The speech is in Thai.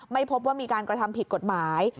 ไม่พบว่ามีการกระทำผิดกฎหมาย